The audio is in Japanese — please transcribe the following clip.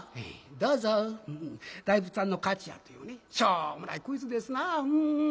大仏さんの勝ちやというねしょうもないクイズですなうん。